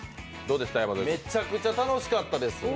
めちゃくちゃ楽しかったです。